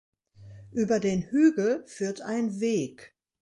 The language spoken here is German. Über den Hügel führt ein Weg.